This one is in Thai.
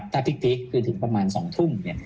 ถ้าพลิกคือถึงประมาณ๒ทุ่มเนี่ย